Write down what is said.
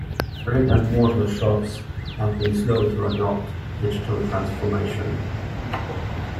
Brick and mortar shops have been slow to adopt digital transformation.